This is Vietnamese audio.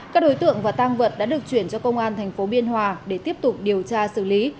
các đối tượng và tang vật đã được chuyển cho công an thành phố biên hòa để tiếp tục điều tra xử lý